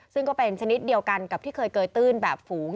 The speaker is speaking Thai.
ซึ่งก็เป็นชนิดเดียวกันกับที่เคยเกยตื้นแบบฝูง